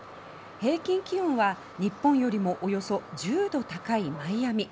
平均気温は日本よりもおよそ１０度高いマイアミ。